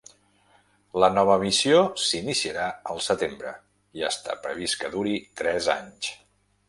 La nova missió s'iniciarà al setembre i està previst que duri tres anys.